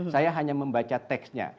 saya hanya membaca teksnya